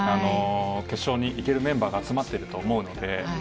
決勝に行けるメンバーが集まってると思うので。